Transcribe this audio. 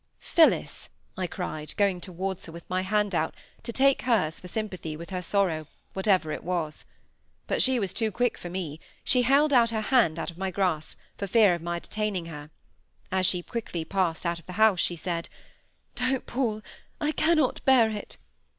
"Phillis!" I cried, going towards her, with my hand out, to take hers for sympathy with her sorrow, whatever it was. But she was too quick for me, she held her hand out of my grasp, for fear of my detaining her; as she quickly passed out of the house, she said,— "Don't, Paul! I cannot bear it!"